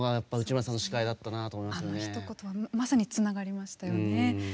あのひと言にまさにつながりましたよね。